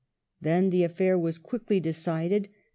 Then the affair was quickly decided.